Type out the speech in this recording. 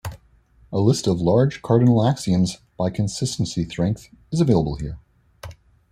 A list of large cardinal axioms by consistency strength is available here.